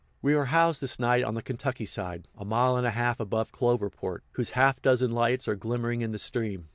We are housed this night on the Kentucky side, a mile and a half above Cloverport, whose half dozen lights are glimmering in the stream.